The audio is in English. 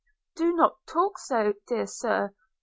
'Do not talk so, dear Sir!'